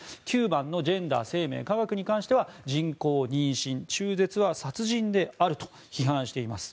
９番のジェンダー・生命・科学に関しては人工妊娠や中絶は殺人であると批判しています。